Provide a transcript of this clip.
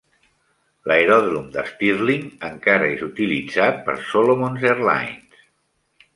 L'aeròdrom de Stirling encara és utilitzar per Solomons Airlines.